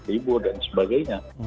libur dan sebagainya